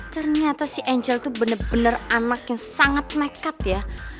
ternyata si angel tuh bener bener anak yang sangat nekat ya